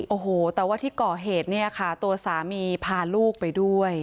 โอ้โหแต่ว่าที่ก่อเหตุเนี่ยค่ะตัวสามีพาลูกไปด้วย